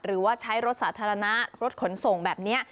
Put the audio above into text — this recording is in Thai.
หรือว่าใช้รถสาธารณะรถขนส่งแบบนี้